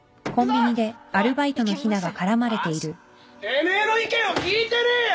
てめえの意見は聞いてねえよ！